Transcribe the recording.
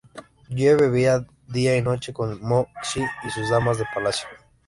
Jie bebía día y noche con Mo Xi y sus damas de palacio.